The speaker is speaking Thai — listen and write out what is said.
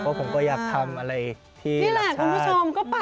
เพราะผมก็อยากทำอะไรที่รักชาติ